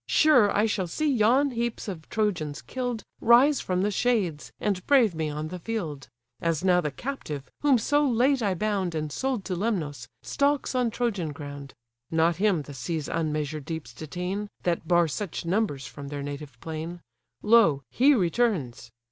Sure I shall see yon heaps of Trojans kill'd Rise from the shades, and brave me on the field; As now the captive, whom so late I bound And sold to Lemnos, stalks on Trojan ground! Not him the sea's unmeasured deeps detain, That bar such numbers from their native plain; Lo! he returns.